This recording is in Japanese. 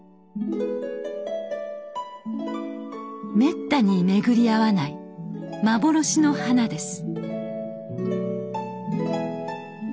めったに巡り合わない幻の花です。